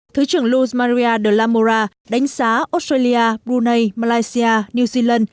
thứ trưởng luz maria de la mora đánh giá australia brunei malaysia new zealand